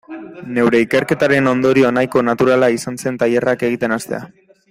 Neure ikerketaren ondorio nahiko naturala izan zen tailerrak egiten hastea.